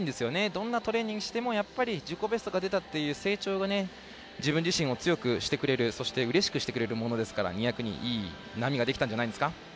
どんなトレーニングしても自己ベストが出たっていう成長が自分自身を強くしてくれるそしてうれしくしてくれるものですからいい波ができたんじゃないでしょうか。